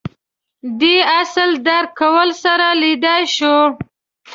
دې اصل درک کولو سره لیدلای شو